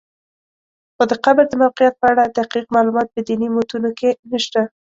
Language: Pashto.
خو د قبر د موقعیت په اړه دقیق معلومات په دیني متونو کې نشته.